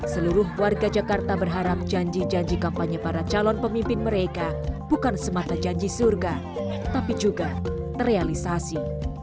seluruh warga jakarta berharap janji janji kampanye para calon pemimpin mereka bukan semata janji surga tapi juga terrealisasi